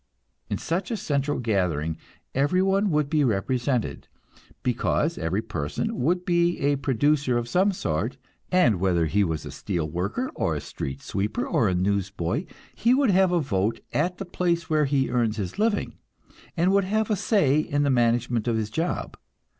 In such a central gathering every one would be represented, because every person would be a producer of some sort, and whether he was a steel worker or a street sweeper or a newsboy, he would have a vote at the place where he earns his living, and would have a say in the management of his job.